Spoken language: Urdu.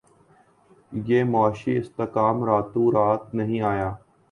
یہ معاشی استحکام راتوں رات نہیں آیا